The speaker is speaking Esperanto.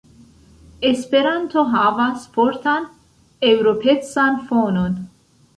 Esperanto havas fortan eŭropecan fonon.